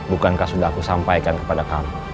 bukankah sudah aku sampaikan kepada kami